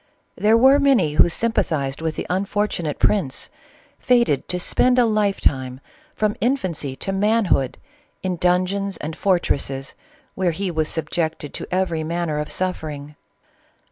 There were many who sympathized with the unfortunate prince, fated to spend a life time, from infancy to man hood, in dungeons and fortresses where he was subject ed to every manner of suffering.